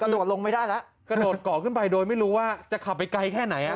โดดลงไม่ได้แล้วกระโดดเกาะขึ้นไปโดยไม่รู้ว่าจะขับไปไกลแค่ไหนอ่ะ